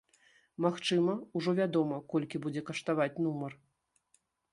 Магчыма, ужо вядома, колькі будзе каштаваць нумар?